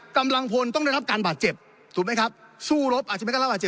กำลังพลต้องได้รับการบาดเจ็บถูกไหมครับสู้รบอาจจะไม่กล้าบาดเจ็บ